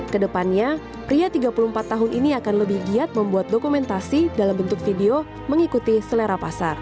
kedepannya pria tiga puluh empat tahun ini akan lebih giat membuat dokumentasi dalam bentuk video mengikuti selera pasar